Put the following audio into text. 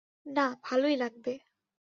না, ভালোই লাগবে।